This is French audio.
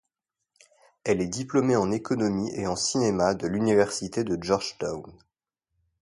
Elle est diplômée en économie et en cinéma de l'université de Georgetown.